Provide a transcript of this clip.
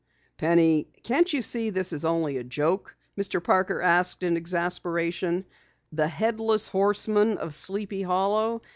"Penny, can't you see it's only a joke?" Mr. Parker asked in exasperation. "The Headless Horseman of Sleepy Hollow!